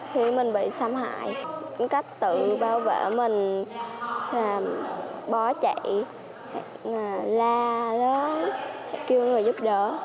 khi mình bị xâm hại cách tự bao vỡ mình bó chạy la kêu người giúp đỡ